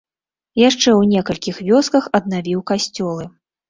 Яшчэ ў некалькіх вёсках аднавіў касцёлы.